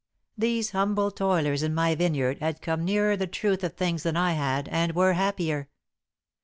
These humble toilers in my vineyard had come nearer the truth of things than I had, and were happier.